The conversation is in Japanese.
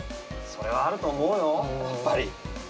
それはあると思うよ、やっぱり。